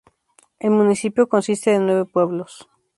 El municipio consiste de nueve pueblos.